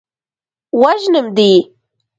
وژنم دې.